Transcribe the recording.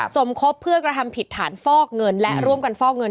สมคบเพื่อกระทำผิดฐานฟอกเงินและร่วมกันฟอกเงิน